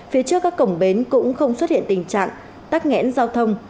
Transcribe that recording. phía trước các cổng bến cũng không xuất hiện tình trạng tắc nghẽn giao thông